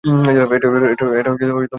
এটা শূন্য একটা জায়গা।